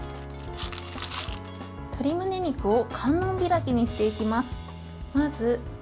鶏むね肉を観音開きにしていきます。